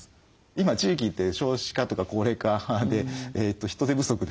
今地域って少子化とか高齢化で人手不足ですよね